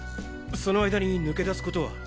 その間に抜け出すことは？